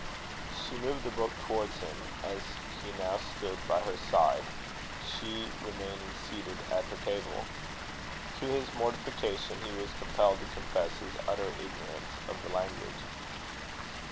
She moved the book towards him, as he now stood by her side, she remaining seated at her table. To his mortification, he was compelled to confess his utter ignorance of the language.